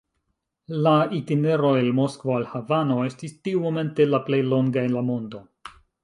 La itinero el Moskvo al Havano estis tiumomente la plej longa en la mondo.